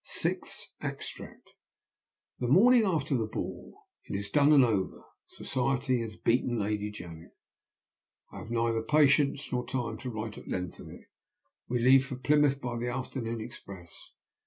SIXTH EXTRACT. "The morning after the ball. "It is done and over. Society has beaten Lady Janet. I have neither patience nor time to write at length of it. We leave for Plymouth by the afternoon express.